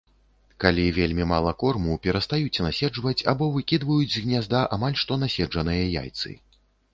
Калі вельмі мала корму, перастаюць наседжваць або выкідваюць з гнязда амаль што наседжаныя яйцы.